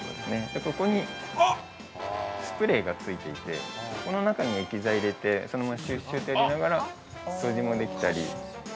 ここにスプレーがついていてこの中に液剤入れて、そのままシュッシュとやりながら掃除もできたり。